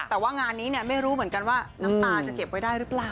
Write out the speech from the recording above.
แต่ว่างานนี้ไม่รู้เหมือนกันว่าน้ำตาจะเก็บไว้ได้หรือเปล่า